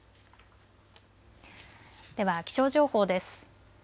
では気象情報です。